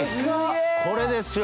これですよ